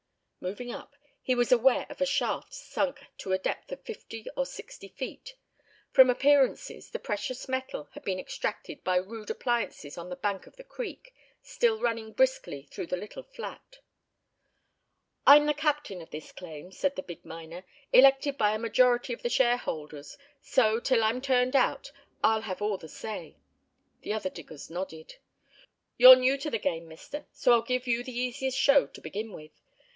Moving up, he was aware of a shaft sunk to a depth of fifty or sixty feet; from appearances, the precious metal had been extracted by rude appliances on the bank of the creek, still running briskly through the little flat. "I'm the captain of this claim," said the big miner, "elected by a majority of the shareholders, so, till I'm turned out, I'll have all the say." The other diggers nodded. "You're new to the game, mister, so I'll give you the easiest show to begin with.